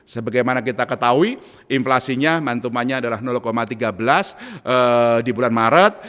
sebagaimana kita ketahui inflasinya mantumannya adalah tiga belas di bulan maret